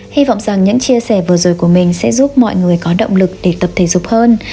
hy vọng rằng những chia sẻ vừa rồi của mình sẽ giúp mọi người có động lực để tập thể dục hơn